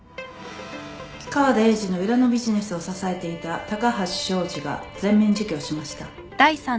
河田英司の裏のビジネスを支えていた高橋昭二が全面自供しました。